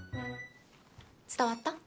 伝わった？